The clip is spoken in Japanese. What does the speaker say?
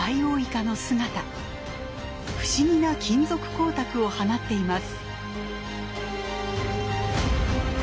不思議な金属光沢を放っています。